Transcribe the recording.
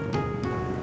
boleh ikut duduk